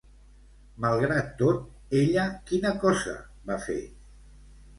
Malgrat tot, ella quina cosa va fer?